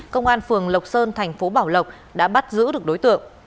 công an phường lộc sơn thành phố bảo lộc đã bắt giữ được đối tượng